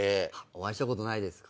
お会いしたことないですか。